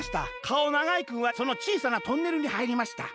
かおながいくんはそのちいさなトンネルにはいりました。